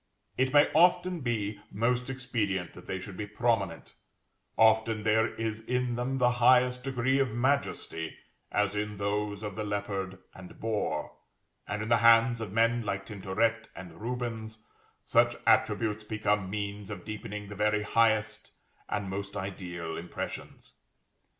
It may often be most expedient that they should be prominent; often there is in them the highest degree of majesty, as in those of the leopard and boar; and in the hands of men like Tintoret and Rubens, such attributes become means of deepening the very highest and most ideal impressions.